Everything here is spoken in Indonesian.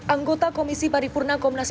anggota komisi paripurna komnasial